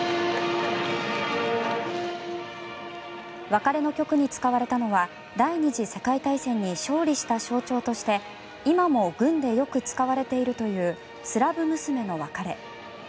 別れの曲に使われたのは第２次世界大戦に勝利した象徴として今も軍でよく使われているという「スラブ娘の別れ」。